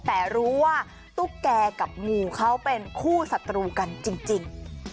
แต่รู้ว่าตุ๊กแก่กับงูเขาเป็นคู่ศัตรูกันจริง